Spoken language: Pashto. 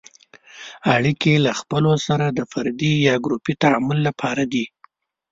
اړیکې له خلکو سره د فردي یا ګروپي تعامل لپاره دي.